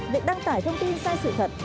việc đăng tải thông tin sai sự thật